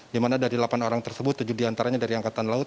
di mana dari delapan orang tersebut tujuh diantaranya dari angkatan laut